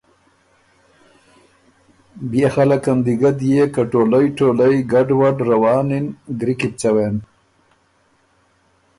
بيې خلقن دی ګۀ ديېک که ټولئ ټولئ ګډ وډ روانِن ګری کی بو څوېن۔